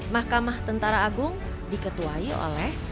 mahkamah tentara agung diketuai oleh